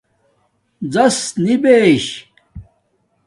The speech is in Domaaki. زسنبش